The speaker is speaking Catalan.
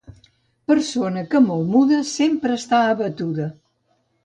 Persona que molt muda sempre està abatuda.